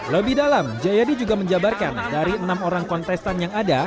lebih dalam jayadi juga menjabarkan dari enam orang kontestan yang ada